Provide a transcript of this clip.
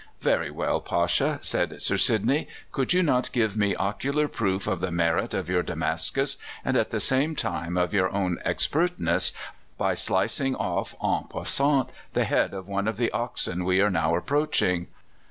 "Very well, Pasha," said Sir Sidney. "Could you not give me ocular proof of the merit of your Damascus, and at the same time of your own expertness, by slicing off, en passant, the head of one of the oxen we are now approaching?"